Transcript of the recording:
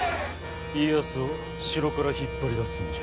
家康を城から引っ張り出すんじゃ。